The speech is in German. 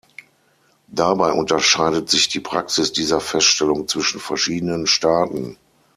Dabei unterscheidet sich die Praxis dieser Feststellung zwischen verschiedenen Staaten.